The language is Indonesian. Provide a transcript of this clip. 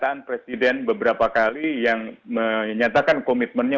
saya adalah presiden beberapa kali yang menyatakan komitmennya